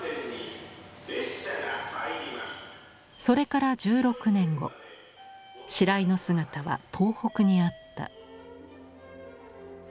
それから１６年後白井の姿は東北にあった。